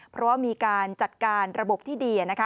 เพราะว่ามีการจัดการระบบที่ดีนะคะ